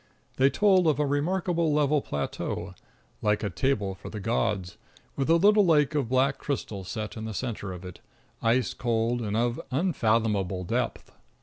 They told of a remarkable level plateau, like a table for the gods, with a little lake of black crystal set in the center of it, ice cold and of unfathomable depth.